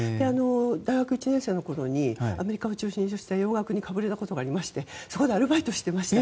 大学１年生の時にアメリカを中心とした洋楽にかぶれたことがありましてそこでアルバイトしてました。